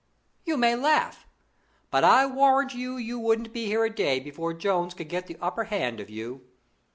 "You may laugh, but I warrant you wouldn't be here a day before Jones would get the upper hand of you.